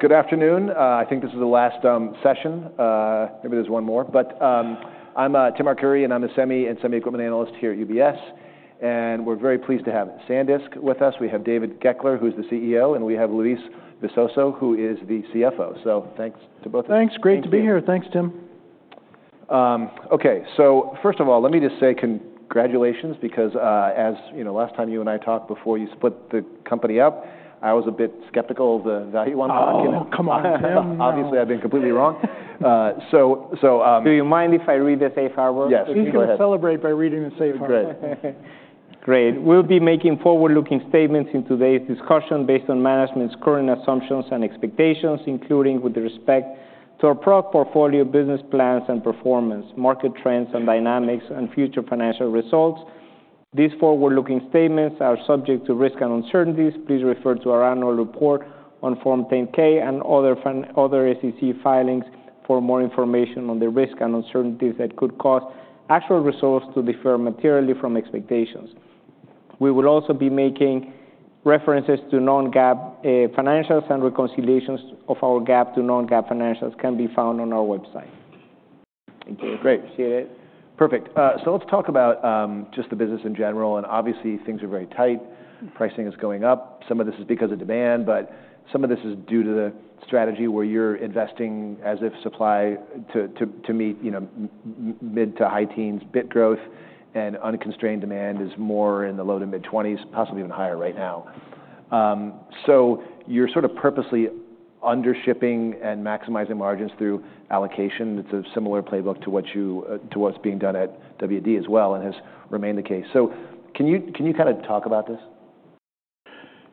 Good afternoon. I think this is the last session. Maybe there's one more. But I'm Tim Arcuri, and I'm a semi and semi-equipment analyst here at UBS. And we're very pleased to have Sandisk with us. We have David Goeckeler, who is the CEO, and we have Luis Visoso, who is the CFO. So thanks to both of you. Thanks. Great to be here. Thanks, Tim. Okay, so first of all, let me just say congratulations. Because as you know, last time you and I talked before you split the company up, I was a bit skeptical of the value I'm talking about. Oh, come on, Tim. Obviously, I've been completely wrong. So. Do you mind if I read the safe harbor? Yes, please go ahead. We can celebrate by reading the safe harbor. Great. We'll be making forward-looking statements in today's discussion based on management's current assumptions and expectations, including with respect to our product portfolio, business plans and performance, market trends and dynamics, and future financial results. These forward-looking statements are subject to risks and uncertainties. Please refer to our annual report on Form 10-K and other SEC filings for more information on the risks and uncertainties that could cause actual results to differ materially from expectations. We will also be making references to non-GAAP financials, and reconciliations of our GAAP to non-GAAP financials can be found on our website. Thank you. Great. Appreciate it. Perfect. So let's talk about just the business in general. And obviously, things are very tight. Pricing is going up. Some of this is because of demand, but some of this is due to the strategy where you're investing as if supply to meet mid- to high-teens bit growth, and unconstrained demand is more in the low- to mid-20s, possibly even higher right now. So you're sort of purposely undershipping and maximizing margins through allocation. It's a similar playbook to what's being done at WD as well and has remained the case. So can you kind of talk about this?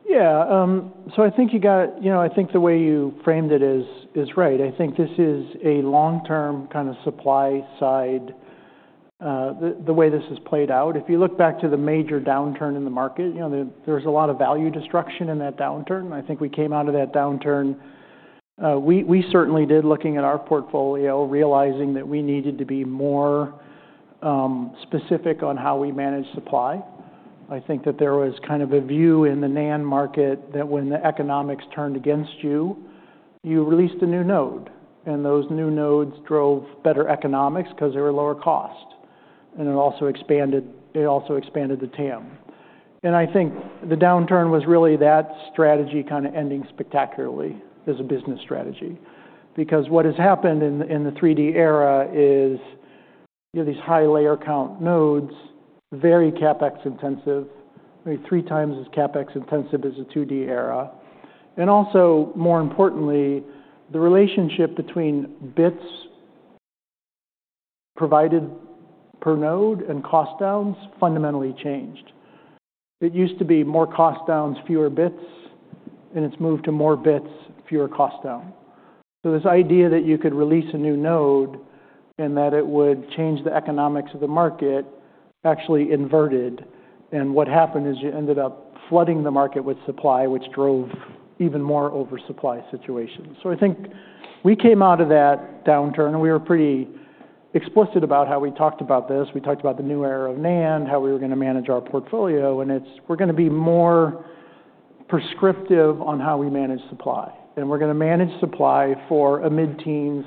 Yeah. So I think you got it. I think the way you framed it is right. I think this is a long-term kind of supply side. The way this has played out, if you look back to the major downturn in the market, there was a lot of value destruction in that downturn. I think we came out of that downturn. We certainly did, looking at our portfolio, realizing that we needed to be more specific on how we manage supply. I think that there was kind of a view in the NAND market that when the economics turned against you, you released a new node, and those new nodes drove better economics because they were lower cost, and it also expanded the TAM. And I think the downturn was really that strategy kind of ending spectacularly as a business strategy. Because what has happened in the 3D era is you have these high layer count nodes, very CapEx intensive, maybe three times as CapEx intensive as the 2D era. And also, more importantly, the relationship between bits provided per node and cost downs fundamentally changed. It used to be more cost downs, fewer bits, and it's moved to more bits, fewer cost down. So this idea that you could release a new node and that it would change the economics of the market actually inverted. And what happened is you ended up flooding the market with supply, which drove even more oversupply situations. So I think we came out of that downturn, and we were pretty explicit about how we talked about this. We talked about the new era of NAND, how we were going to manage our portfolio. And it's, we're going to be more prescriptive on how we manage supply. And we're going to manage supply for a mid-teens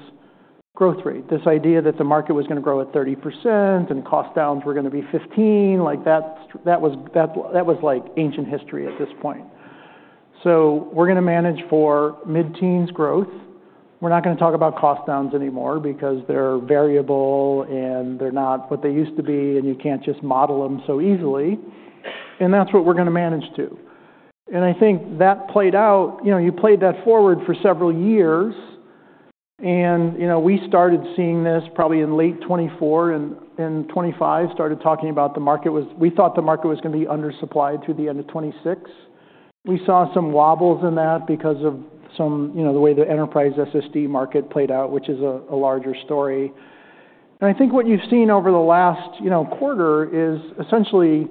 growth rate. This idea that the market was going to grow at 30% and cost downs were going to be 15%, like that was like ancient history at this point. So we're going to manage for mid-teens growth. We're not going to talk about cost downs anymore because they're variable and they're not what they used to be, and you can't just model them so easily. And that's what we're going to manage to. And I think that played out. You played that forward for several years. And we started seeing this probably in late 2024 and in 2025, started talking about the market was we thought the market was going to be undersupplied through the end of 2026. We saw some wobbles in that because of the way the enterprise SSD market played out, which is a larger story. And I think what you've seen over the last quarter is essentially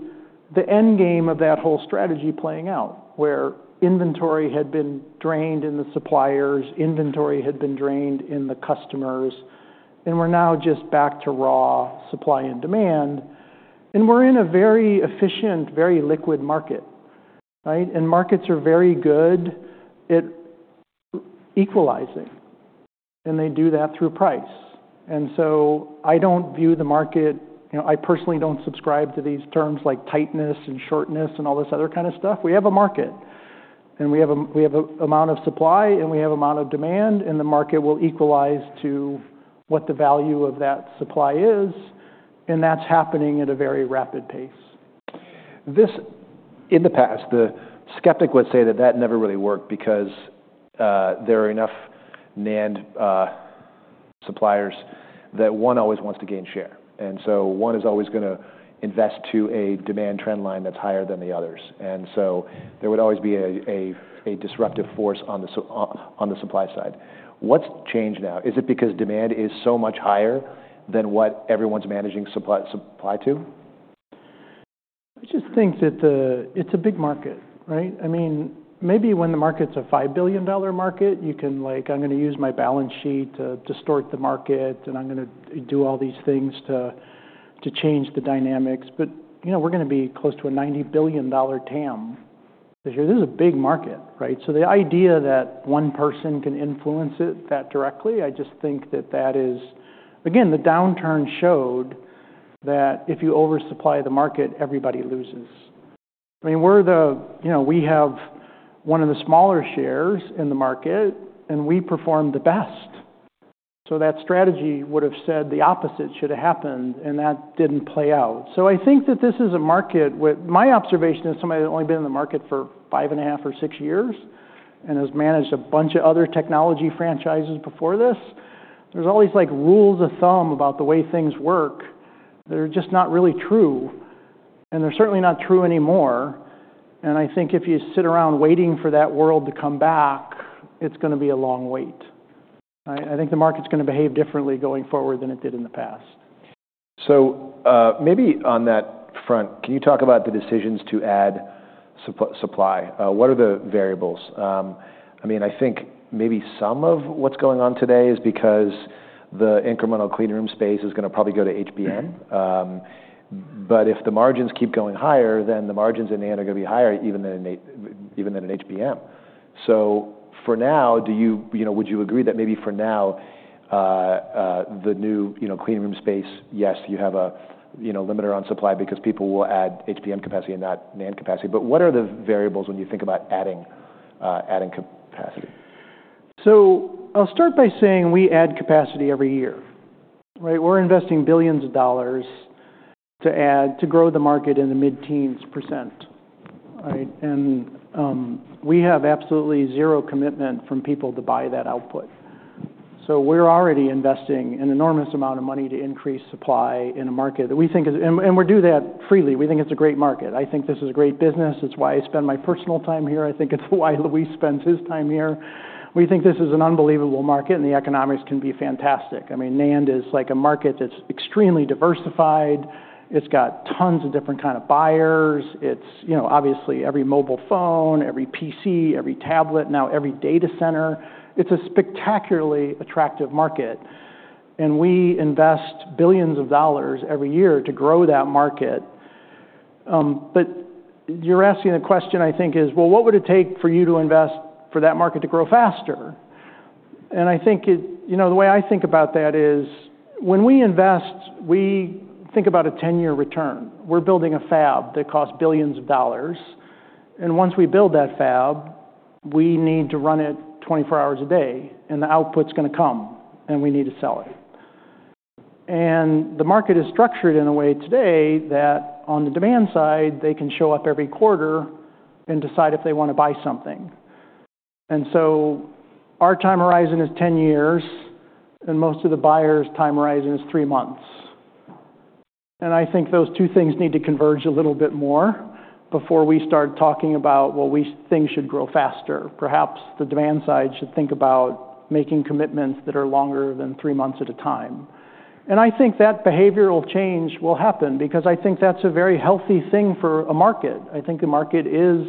the end game of that whole strategy playing out, where inventory had been drained in the suppliers, inventory had been drained in the customers, and we're now just back to raw supply and demand. And we're in a very efficient, very liquid market. And markets are very good at equalizing. And they do that through price. And so I don't view the market. I personally don't subscribe to these terms like tightness and shortness and all this other kind of stuff. We have a market. And we have an amount of supply, and we have an amount of demand, and the market will equalize to what the value of that supply is. That's happening at a very rapid pace. In the past, the skeptic would say that that never really worked because there are enough NAND suppliers that one always wants to gain share. And so one is always going to invest to a demand trend line that's higher than the others. And so there would always be a disruptive force on the supply side. What's changed now? Is it because demand is so much higher than what everyone's managing supply to? I just think that it's a big market. I mean, maybe when the market's a $5 billion market, you can, like, I'm going to use my balance sheet to distort the market, and I'm going to do all these things to change the dynamics. But we're going to be close to a $90 billion TAM. This is a big market. So the idea that one person can influence it that directly, I just think that that is, again, the downturn showed that if you oversupply the market, everybody loses. I mean, we have one of the smaller shares in the market, and we performed the best. So that strategy would have said the opposite should have happened, and that didn't play out. So I think that this is a market where my observation is somebody that's only been in the market for five and a half or six years and has managed a bunch of other technology franchises before this. There's all these rules of thumb about the way things work that are just not really true. And they're certainly not true anymore. And I think if you sit around waiting for that world to come back, it's going to be a long wait. I think the market's going to behave differently going forward than it did in the past. So maybe on that front, can you talk about the decisions to add supply? What are the variables? I mean, I think maybe some of what's going on today is because the incremental clean room space is going to probably go to HBM. But if the margins keep going higher, then the margins in NAND are going to be higher even than in HBM. So for now, would you agree that maybe for now, the new clean room space, yes, you have a limiter on supply because people will add HBM capacity and not NAND capacity? But what are the variables when you think about adding capacity? I'll start by saying we add capacity every year. We're investing billions of dollars to grow the market in the mid-teens %. We have absolutely zero commitment from people to buy that output. We're already investing an enormous amount of money to increase supply in a market that we think is, and we do that freely. We think it's a great market. I think this is a great business. It's why I spend my personal time here. I think it's why Luis spends his time here. We think this is an unbelievable market, and the economics can be fantastic. I mean, NAND is like a market that's extremely diversified. It's got tons of different kinds of buyers. It's obviously every mobile phone, every PC, every tablet, now every data center. It's a spectacularly attractive market. We invest billions of dollars every year to grow that market. You're asking the question, I think, is, well, what would it take for you to invest for that market to grow faster? I think the way I think about that is when we invest, we think about a 10-year return. We're building a fab that costs billions of dollars. Once we build that fab, we need to run it 24 hours a day. The output's going to come, and we need to sell it. The market is structured in a way today that on the demand side, they can show up every quarter and decide if they want to buy something. Our time horizon is 10 years, and most of the buyers' time horizon is three months. I think those two things need to converge a little bit more before we start talking about, well, things should grow faster. Perhaps the demand side should think about making commitments that are longer than three months at a time. And I think that behavioral change will happen because I think that's a very healthy thing for a market. I think the market is,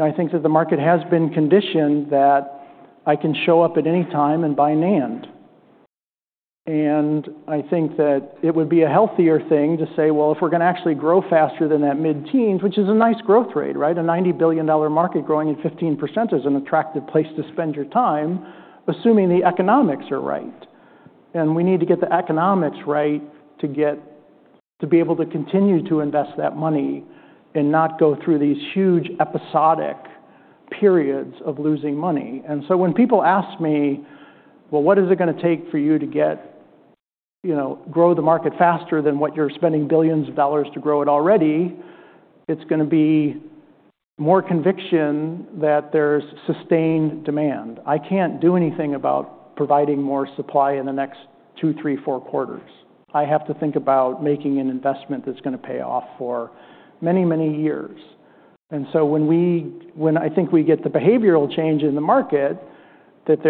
I think that the market has been conditioned that I can show up at any time and buy NAND. And I think that it would be a healthier thing to say, well, if we're going to actually grow faster than that mid teens, which is a nice growth rate, a $90 billion market growing at 15% is an attractive place to spend your time, assuming the economics are right. And we need to get the economics right to be able to continue to invest that money and not go through these huge episodic periods of losing money. And so when people ask me, well, what is it going to take for you to grow the market faster than what you're spending billions of dollars to grow it already, it's going to be more conviction that there's sustained demand. I can't do anything about providing more supply in the next two, three, four quarters. I have to think about making an investment that's going to pay off for many, many years. And so when I think we get the behavioral change in the market, that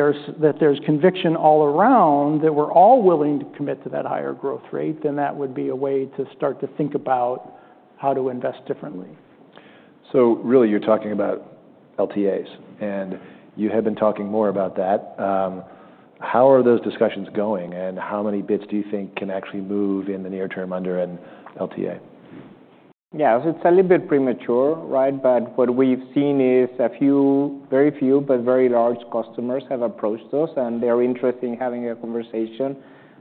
there's conviction all around that we're all willing to commit to that higher growth rate, then that would be a way to start to think about how to invest differently. So really, you're talking about LTAs. And you have been talking more about that. How are those discussions going, and how many bits do you think can actually move in the near term under an LTA? Yeah, it's a little bit premature. But what we've seen is a few, very few, but very large customers have approached us. And they're interested in having a conversation.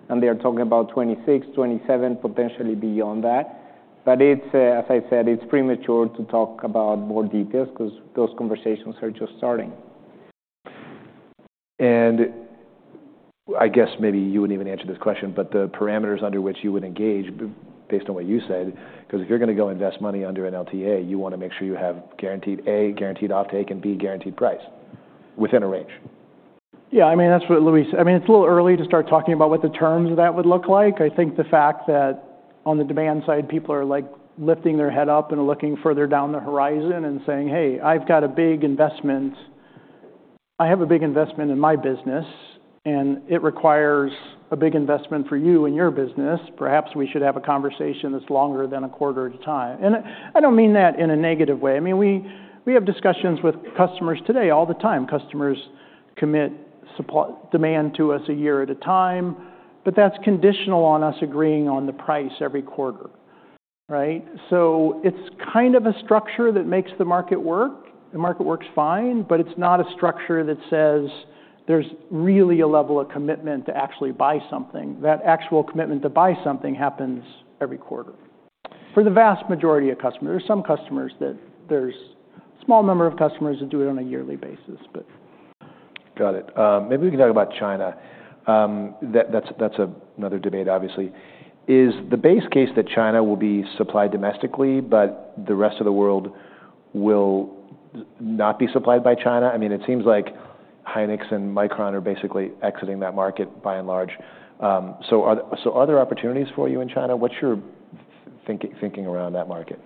And they're talking about 2026, 2027, potentially beyond that. But as I said, it's premature to talk about more details because those conversations are just starting. I guess maybe you wouldn't even answer this question, but the parameters under which you would engage, based on what you said, because if you're going to go invest money under an LTA, you want to make sure you have guaranteed A, guaranteed offtake, and B, guaranteed price within a range. Yeah, I mean, that's what Luis said. I mean, it's a little early to start talking about what the terms of that would look like. I think the fact that on the demand side, people are lifting their head up and looking further down the horizon and saying, hey, I've got a big investment. I have a big investment in my business, and it requires a big investment for you and your business. Perhaps we should have a conversation that's longer than a quarter at a time. And I don't mean that in a negative way. I mean, we have discussions with customers today all the time. Customers commit demand to us a year at a time, but that's conditional on us agreeing on the price every quarter. So it's kind of a structure that makes the market work. The market works fine, but it's not a structure that says there's really a level of commitment to actually buy something. That actual commitment to buy something happens every quarter for the vast majority of customers. There's a small number of customers that do it on a yearly basis, but. Got it. Maybe we can talk about China. That's another debate, obviously. Is the base case that China will be supplied domestically, but the rest of the world will not be supplied by China? I mean, it seems like Hynix and Micron are basically exiting that market by and large. So are there opportunities for you in China? What's your thinking around that market?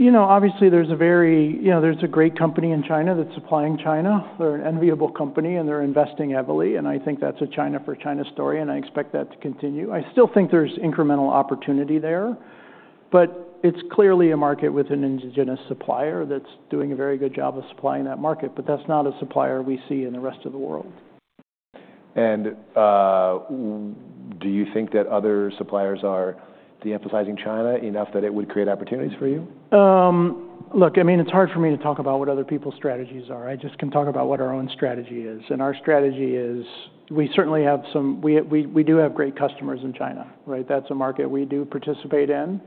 Obviously, there's a great company in China that's supplying China. They're an enviable company, and they're investing heavily, and I think that's a China for China story, and I expect that to continue. I still think there's incremental opportunity there, but it's clearly a market with an indigenous supplier that's doing a very good job of supplying that market, but that's not a supplier we see in the rest of the world. And do you think that other suppliers are de-emphasizing China enough that it would create opportunities for you? Look, I mean, it's hard for me to talk about what other people's strategies are. I just can talk about what our own strategy is, and our strategy is we certainly do have great customers in China. That's a market we do participate in.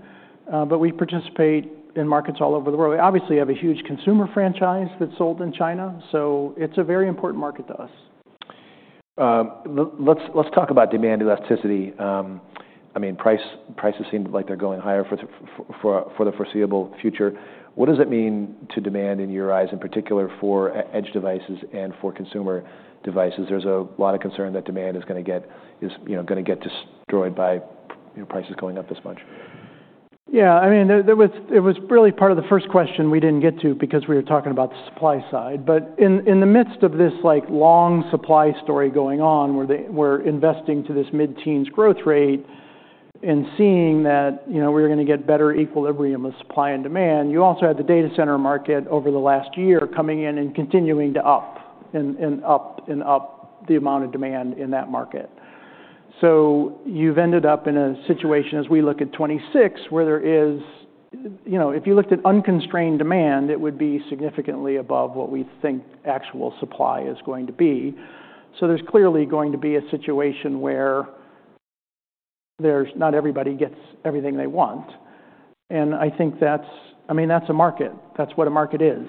But we participate in markets all over the world. We obviously have a huge consumer franchise that's sold in China. So it's a very important market to us. Let's talk about demand elasticity. I mean, prices seem like they're going higher for the foreseeable future. What does it mean to demand in your eyes, in particular for edge devices and for consumer devices? There's a lot of concern that demand is going to get destroyed by prices going up this much. Yeah. I mean, it was really part of the first question we didn't get to because we were talking about the supply side. But in the midst of this long supply story going on, we're investing to this mid-teens growth rate and seeing that we're going to get better equilibrium of supply and demand. You also had the data center market over the last year coming in and continuing to up and up and up the amount of demand in that market. So you've ended up in a situation, as we look at 2026, where there is, if you looked at unconstrained demand, it would be significantly above what we think actual supply is going to be. So there's clearly going to be a situation where not everybody gets everything they want. And I think that's, I mean, that's a market. That's what a market is.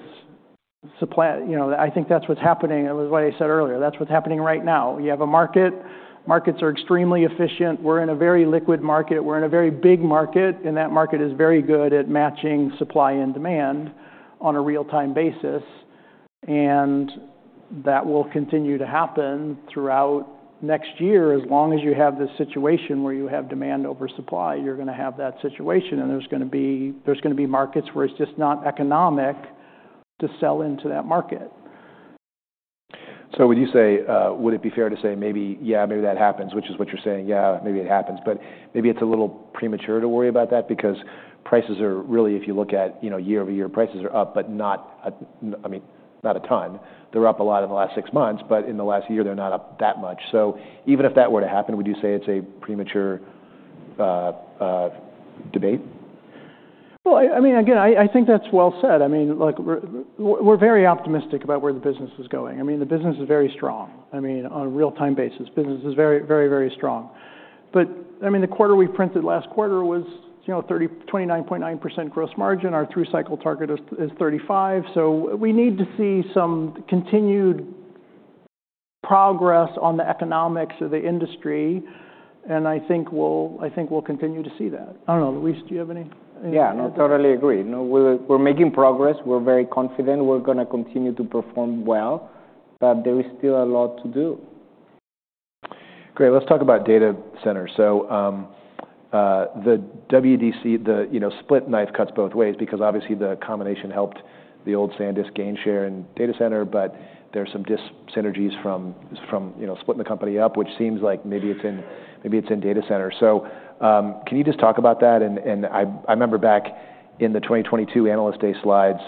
I think that's what's happening. It was what I said earlier. That's what's happening right now. You have a market. Markets are extremely efficient. We're in a very liquid market. We're in a very big market. And that market is very good at matching supply and demand on a real-time basis. And that will continue to happen throughout next year. As long as you have this situation where you have demand over supply, you're going to have that situation. And there's going to be markets where it's just not economic to sell into that market. So, would you say, would it be fair to say maybe, yeah, maybe that happens, which is what you're saying, yeah, maybe it happens? But maybe it's a little premature to worry about that because prices are really, if you look at year-over-year prices, they're up, but not, I mean, not a ton. They're up a lot in the last six months, but in the last year, they're not up that much. So even if that were to happen, would you say it's a premature debate? I mean, again, I think that's well said. I mean, we're very optimistic about where the business is going. I mean, the business is very strong. I mean, on a real-time basis, business is very, very, very strong. But I mean, the quarter we printed last quarter was 29.9% gross margin. Our through cycle target is 35%. So we need to see some continued progress on the economics of the industry. And I think we'll continue to see that. I don't know. Luis, do you have any? Yeah, I totally agree. We're making progress. We're very confident. We're going to continue to perform well. But there is still a lot to do. Great. Let's talk about data centers. So the WDC, the split knife cuts both ways because obviously the combination helped the old Sandisk GainShare and data center. But there are some synergies from splitting the company up, which seems like maybe it's in data centers. So can you just talk about that? And I remember back in the 2022 Analyst Day slides,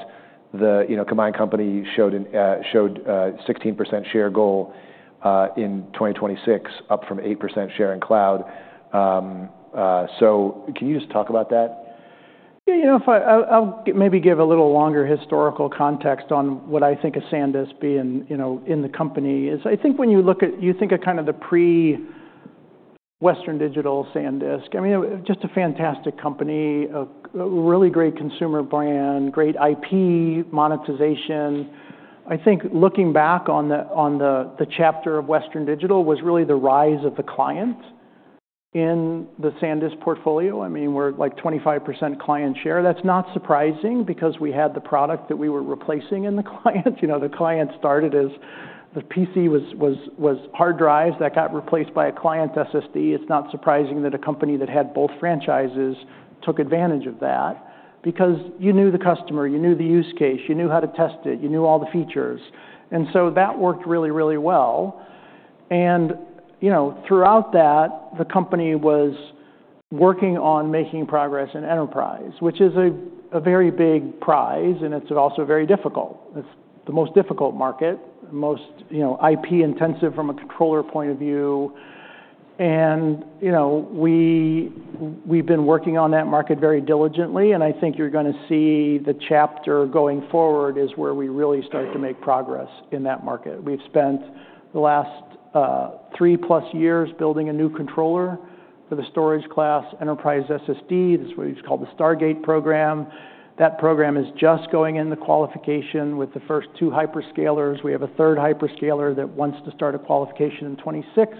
the combined company showed a 16% share goal in 2026, up from 8% share in cloud. So can you just talk about that? Yeah. I'll maybe give a little longer historical context on what I think of Sandisk being in the company. I think when you look at, you think of kind of the pre-Western Digital Sandisk. I mean, just a fantastic company, a really great consumer brand, great IP monetization. I think looking back on the chapter of Western Digital was really the rise of the client in the Sandisk portfolio. I mean, we're like 25% client share. That's not surprising because we had the product that we were replacing in the client. The client started as the PC was hard drives that got replaced by a client SSD. It's not surprising that a company that had both franchises took advantage of that because you knew the customer, you knew the use case, you knew how to test it, you knew all the features, and so that worked really, really well. Throughout that, the company was working on making progress in enterprise, which is a very big prize. It's also very difficult. It's the most difficult market, most IP intensive from a controller point of view. We've been working on that market very diligently. I think you're going to see the chapter going forward is where we really start to make progress in that market. We've spent the last three-plus years building a new controller for the storage class enterprise SSD. That's what we've called the Stargate program. That program is just going in the qualification with the first two hyperscalers. We have a third hyperscaler that wants to start a qualification in 2026.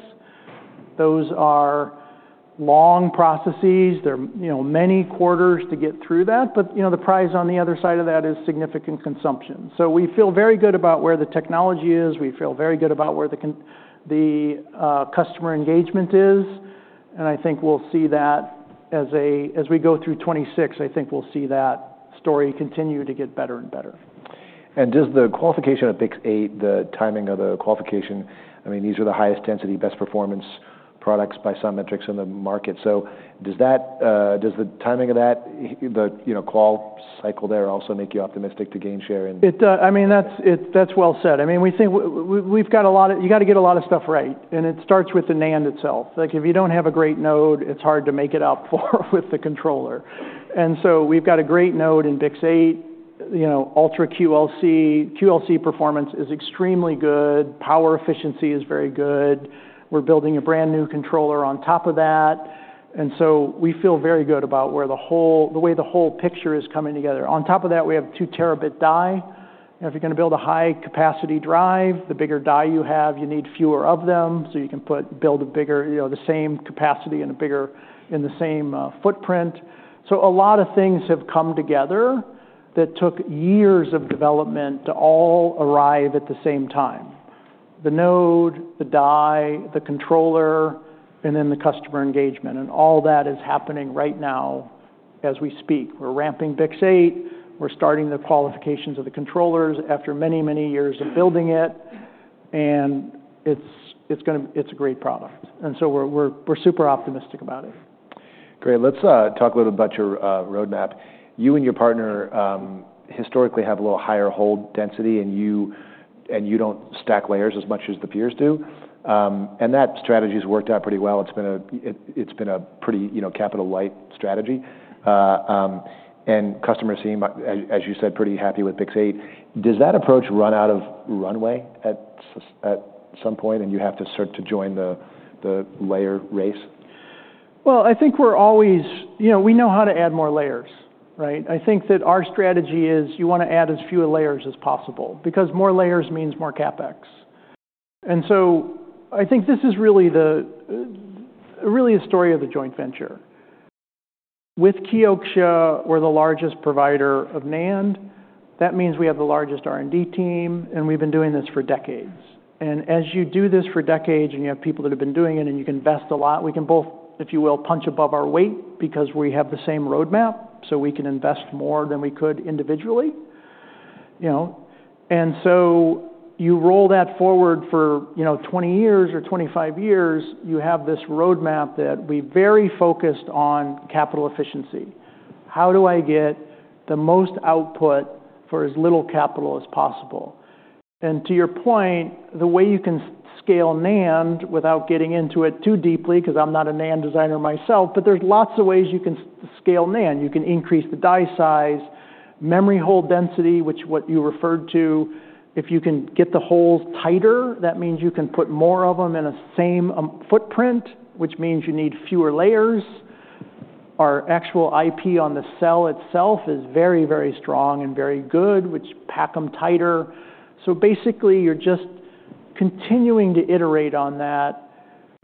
Those are long processes. There are many quarters to get through that. But the prize on the other side of that is significant consumption. So we feel very good about where the technology is. We feel very good about where the customer engagement is. And I think we'll see that as we go through 2026. I think we'll see that story continue to get better and better. And does the qualification of BiCS8, the timing of the qualification, I mean, these are the highest density, best performance products by some metrics in the market. So does the timing of that, the call cycle there, also make you optimistic to gain share in? I mean, that's well said. I mean, we think we've got a lot. You got to get a lot of stuff right. And it starts with the NAND itself. If you don't have a great node, it's hard to make up for it with the controller. And so we've got a great node in BiCS8 UltraQLC. QLC performance is extremely good. Power efficiency is very good. We're building a brand new controller on top of that. And so we feel very good about the way the whole picture is coming together. On top of that, we have two terabit die. If you're going to build a high-capacity drive, the bigger die you have, you need fewer of them so you can build a bigger capacity in the same footprint. So a lot of things have come together that took years of development to all arrive at the same time. The node, the die, the controller, and then the customer engagement. And all that is happening right now as we speak. We're ramping BiCS8. We're starting the qualifications of the controllers after many, many years of building it. And it's a great product. And so we're super optimistic about it. Great. Let's talk a little bit about your roadmap. You and your partner historically have a little higher bit density, and you don't stack layers as much as the peers do. And that strategy has worked out pretty well. It's been a pretty capital-light strategy. And customers seem, as you said, pretty happy with BiCS8. Does that approach run out of runway at some point, and you have to start to join the layer race? I think we know how to add more layers. I think that our strategy is you want to add as few layers as possible because more layers means more CapEx. And so I think this is really the story of the joint venture. With Kioxia, we're the largest provider of NAND. That means we have the largest R&D team, and we've been doing this for decades. And as you do this for decades and you have people that have been doing it and you can invest a lot, we can both, if you will, punch above our weight because we have the same roadmap. So we can invest more than we could individually. And so you roll that forward for 20 years or 25 years, you have this roadmap that we've very focused on capital efficiency. How do I get the most output for as little capital as possible? And to your point, the way you can scale NAND without getting into it too deeply because I'm not a NAND designer myself, but there's lots of ways you can scale NAND. You can increase the die size, memory hole density, which is what you referred to, if you can get the holes tighter, that means you can put more of them in the same footprint, which means you need fewer layers. Our actual IP on the cell itself is very, very strong and very good, which packs them tighter. So basically, you're just continuing to iterate on that,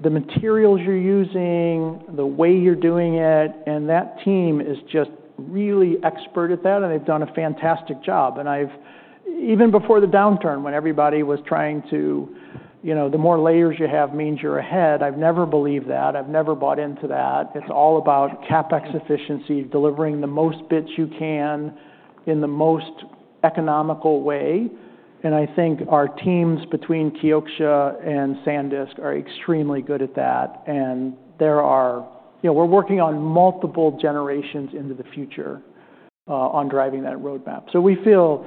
the materials you're using, the way you're doing it. And that team is just really expert at that, and they've done a fantastic job. And even before the downturn, when everybody was trying to, the more layers you have means you're ahead. I've never believed that. I've never bought into that. It's all about CapEx efficiency, delivering the most bits you can in the most economical way. And I think our teams between Kioxia and Sandisk are extremely good at that. And we're working on multiple generations into the future on driving that roadmap. So we feel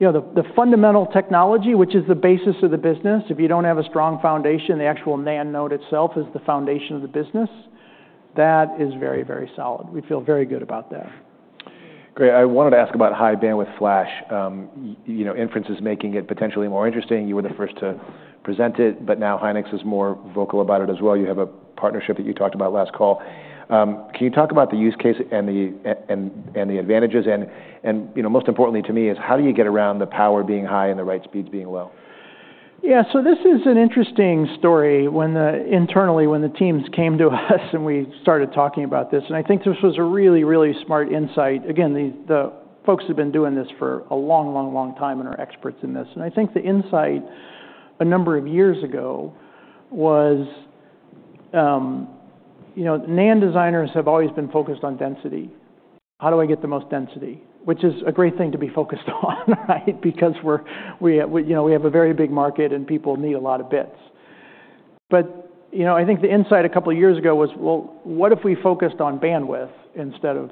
the fundamental technology, which is the basis of the business, if you don't have a strong foundation, the actual NAND node itself is the foundation of the business, that is very, very solid. We feel very good about that. Great. I wanted to ask about High Bandwidth Flash. Inference is making it potentially more interesting. You were the first to present it, but now Hynix is more vocal about it as well. You have a partnership that you talked about last call. Can you talk about the use case and the advantages? And most importantly to me is how do you get around the power being high and the write speeds being low? Yeah. So this is an interesting story. Internally, when the teams came to us and we started talking about this, and I think this was a really, really smart insight. Again, the folks have been doing this for a long, long, long time and are experts in this. And I think the insight a number of years ago was NAND designers have always been focused on density. How do I get the most density? Which is a great thing to be focused on, right? Because we have a very big market and people need a lot of bits. But I think the insight a couple of years ago was, well, what if we focused on bandwidth instead of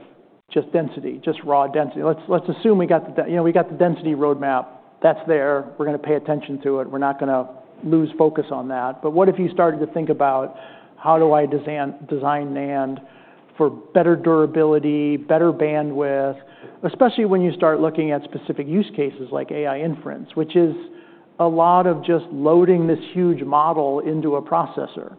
just density, just raw density? Let's assume we got the density roadmap. That's there. We're going to pay attention to it. We're not going to lose focus on that. But what if you started to think about how do I design NAND for better durability, better bandwidth, especially when you start looking at specific use cases like AI inference, which is a lot of just loading this huge model into a processor.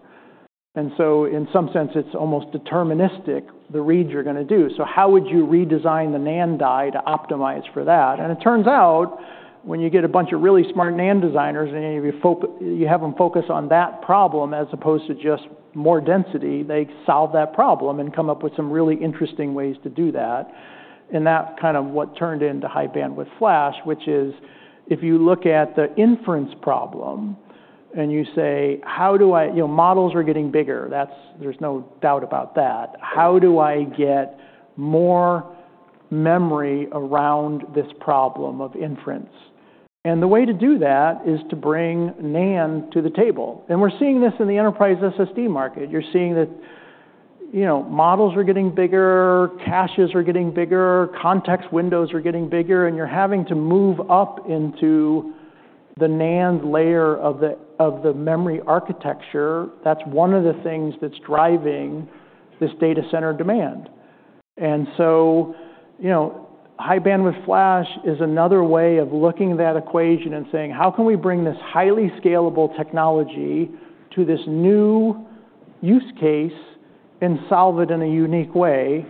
And so in some sense, it's almost deterministic the reads you're going to do. So how would you redesign the NAND die to optimize for that? And it turns out when you get a bunch of really smart NAND designers and you have them focus on that problem as opposed to just more density, they solve that problem and come up with some really interesting ways to do that. And that's kind of what turned into High Bandwidth Flash, which is if you look at the inference problem and you say, how do I models are getting bigger. There's no doubt about that. How do I get more memory around this problem of inference? And the way to do that is to bring NAND to the table. And we're seeing this in the enterprise SSD market. You're seeing that models are getting bigger, caches are getting bigger, context windows are getting bigger, and you're having to move up into the NAND layer of the memory architecture. That's one of the things that's driving this data center demand. And so High Bandwidth Flash is another way of looking at that equation and saying, how can we bring this highly scalable technology to this new use case and solve it in a unique way?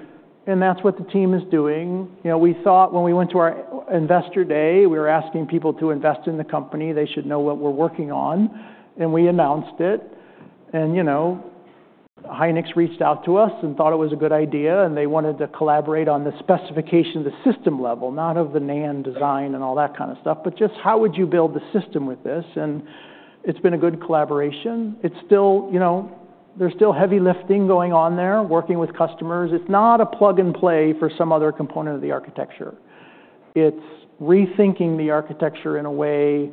And that's what the team is doing. We thought when we went to our Investor Day, we were asking people to invest in the company. They should know what we're working on. And we announced it. Hynix reached out to us and thought it was a good idea. They wanted to collaborate on the specification of the system level, not of the NAND design and all that kind of stuff, but just how would you build the system with this? It's been a good collaboration. There's still heavy lifting going on there, working with customers. It's not a plug and play for some other component of the architecture. It's rethinking the architecture in a way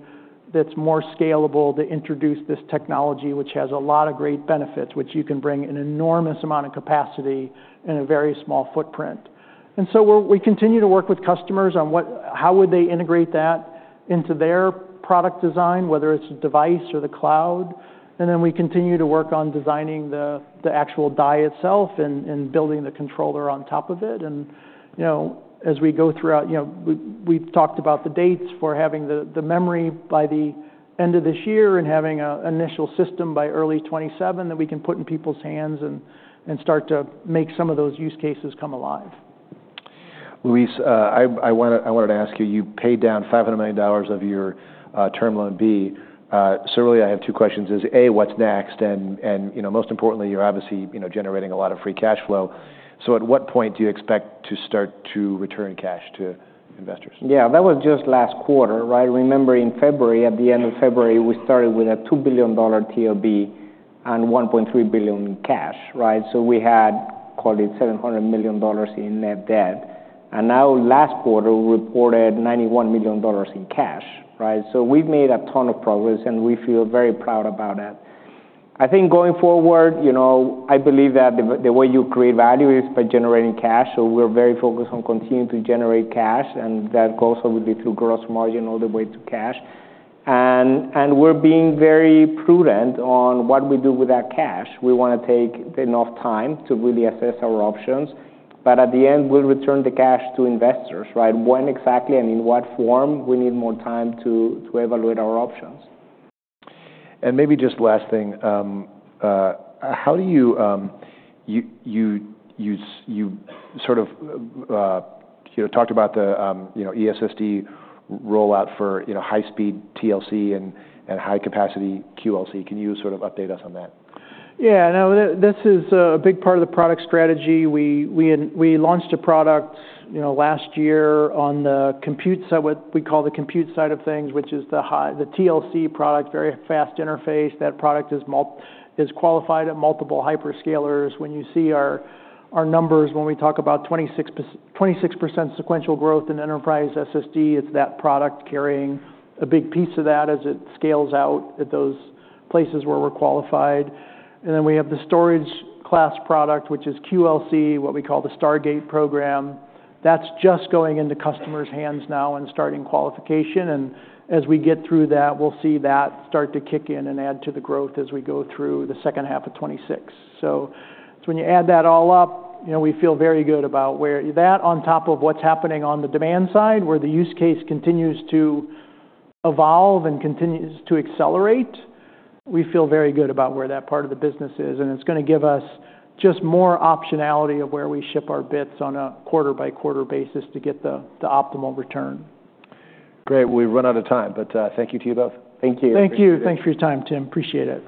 that's more scalable to introduce this technology, which has a lot of great benefits, which you can bring an enormous amount of capacity in a very small footprint. We continue to work with customers on how would they integrate that into their product design, whether it's a device or the cloud. We continue to work on designing the actual die itself and building the controller on top of it. As we go throughout, we've talked about the dates for having the memory by the end of this year and having an initial system by early 2027 that we can put in people's hands and start to make some of those use cases come alive. Luis, I wanted to ask you, you paid down $500 million of your Term Loan B. So really, I have two questions. A, what's next? And most importantly, you're obviously generating a lot of free cash flow. So at what point do you expect to start to return cash to investors? Yeah. That was just last quarter, right? Remember in February, at the end of February, we started with a $2 billion TOB and $1.3 billion in cash, right? So we had, call it $700 million in net debt. And now last quarter, we reported $91 million in cash, right? So we've made a ton of progress, and we feel very proud about that. I think going forward, I believe that the way you create value is by generating cash. So we're very focused on continuing to generate cash, and that also would be through gross margin all the way to cash. And we're being very prudent on what we do with that cash. We want to take enough time to really assess our options. But at the end, we'll return the cash to investors, right? When exactly and in what form? We need more time to evaluate our options. Maybe just last thing. How do you sort of talked about the eSSD rollout for high-speed TLC and high-capacity QLC? Can you sort of update us on that? Yeah. No, this is a big part of the product strategy. We launched a product last year on the compute side, what we call the compute side of things, which is the TLC product, very fast interface. That product is qualified at multiple hyperscalers. When you see our numbers, when we talk about 26% sequential growth in enterprise SSD, it's that product carrying a big piece of that as it scales out at those places where we're qualified. And then we have the storage class product, which is QLC, what we call the Stargate program. That's just going into customers' hands now and starting qualification. And as we get through that, we'll see that start to kick in and add to the growth as we go through the second half of 2026. When you add that all up, we feel very good about that on top of what's happening on the demand side, where the use case continues to evolve and continues to accelerate. We feel very good about where that part of the business is. It's going to give us just more optionality of where we ship our bits on a quarter-by-quarter basis to get the optimal return. Great. We've run out of time, but thank you to you both. Thank you. Thank you. Thanks for your time, Tim. Appreciate it.